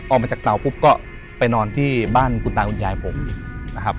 ออกมาจากเตาปุ๊บก็ไปนอนที่บ้านคุณตาคุณยายผมนะครับ